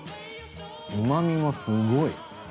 うまみもすごい。